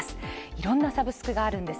いろんなサブスクがあるんです。